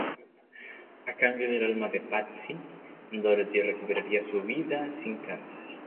A cambio del alma de Patsy, Dorothy recuperaría su vida sin cáncer.